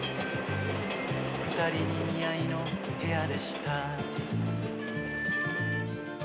「ふたりに似合いの部屋でした」